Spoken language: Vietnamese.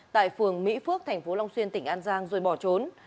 tại phường mỹ phước thành phố long xuyên tỉnh an giang rồi bỏ trốn